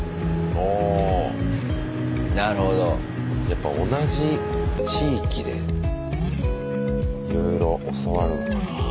やっぱ同じ地域でいろいろ教わるのかなあ。